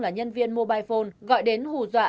là nhân viên mobile phone gọi đến hù dọa